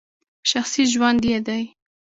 شخصي ژوند یې دی !